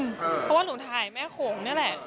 เพราะว่าหนูถ่ายแม่โขงนี่แหละ